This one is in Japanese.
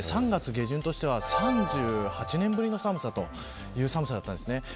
３月下旬としては３８年ぶりの寒さという寒さです。